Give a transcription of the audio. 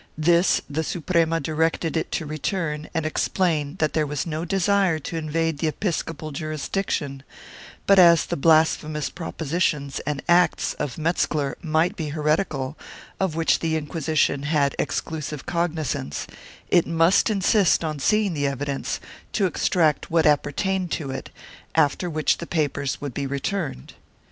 This the Suprema directed it to return and explain that there was no desire to invade the episcopal jurisdiction, but as the blasphemous propositions and acts of Metzeler might be heretical, of which the Inquisition had exclusive cognizance, it must insist on seeing the evidence to extract what appertained to it, after which the papers would be returned.